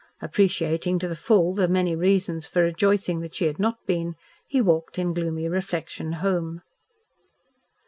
Appreciating to the full the many reasons for rejoicing that she had not been, he walked in gloomy reflection home.